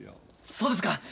そうですか！